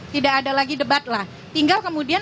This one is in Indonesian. tidak ada lagi debat lah tinggal kemudian